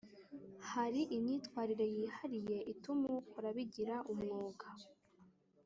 Hari imyitwarire yihariye ituma uwukora abigira umwuga